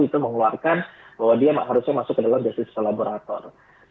itu mengeluarkan bahwa dia harusnya masuk ke dalam justice collaborator